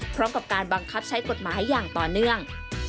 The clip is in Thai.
พร้อมกับการบังคับใช้กฎหมายอย่างต่อเนื่อง